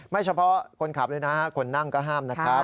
เฉพาะคนขับเลยนะคนนั่งก็ห้ามนะครับ